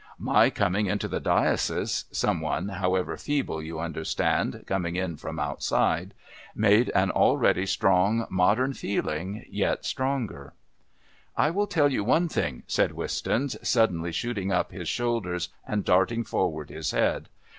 "My coming into the diocese some one, however feeble, you understand, coming in from outside made an already strong modern feeling yet stronger." "I will tell you one thing," said Wistons, suddenly shooting up his shoulders and darting forward his head.